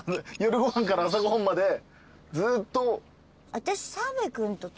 私。